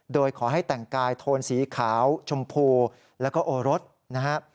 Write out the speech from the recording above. โดยขอให้แต่งกายโทนสีขาวชมพูแล้วก็โอรสนะครับ